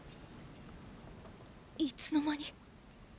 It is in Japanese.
いつの間に？